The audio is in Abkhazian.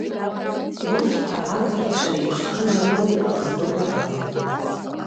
Урҭқәа ақырҭцәа реиԥш ҟазарыла иҟазҵо дыҟаӡам.